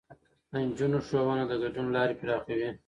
د نجونو ښوونه د ګډون لارې پراخوي.